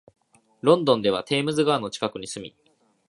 ロンドンではテームズ川の近くに住み、